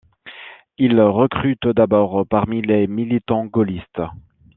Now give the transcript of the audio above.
Il recrute d'abord parmi les militants gaullistes.